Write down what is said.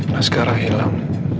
nah sekarang hilang